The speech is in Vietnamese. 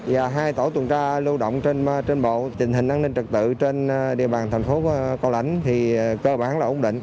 và hai tổ tuần tra lưu động trên bộ tình hình an ninh trật tự trên địa bàn thành phố cao lãnh thì cơ bản là ổn định